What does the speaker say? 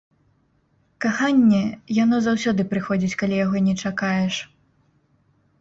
Каханне, яно заўсёды прыходзіць, калі яго не чакаеш.